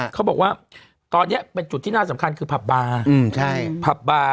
เขาบอกว่าตอนนี้เป็นจุดที่น่าสำคัญคือผับบาร์ผับบาร์